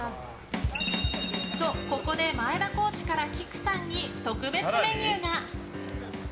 と、ここで前田コーチからきくさんに特別メニューが。